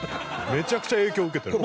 めちゃくちゃ影響受けてる。